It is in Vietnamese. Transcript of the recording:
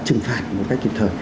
trừng phạt một cách kịp thời